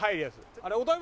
あれ。